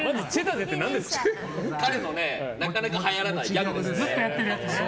彼のなかなか、はやらないギャグです。